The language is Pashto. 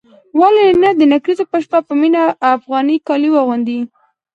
ولې نه د نکريزو په شپه به مينه افغاني کالي اغوندي.